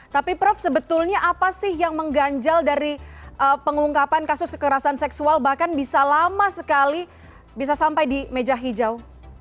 tapi prof sebetulnya apa sih yang mengganjal dari pengungkapan kasus kekerasan seksual bahkan bisa lama sekali bisa sampai di meja hijau